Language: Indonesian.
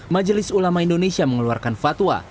majelis ulama indonesia mengeluarkan fatwa